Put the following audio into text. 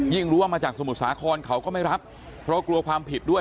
รู้ว่ามาจากสมุทรสาครเขาก็ไม่รับเพราะกลัวความผิดด้วย